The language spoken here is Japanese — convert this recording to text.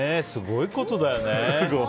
すごいことだよね。